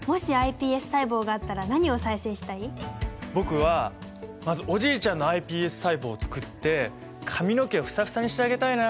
僕はまずおじいちゃんのｉＰＳ細胞をつくって髪の毛をフサフサにしてあげたいな。